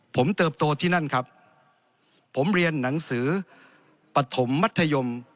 ผมเติบโตที่นั่นครับผมเรียนหนังสือปฐมมัธยม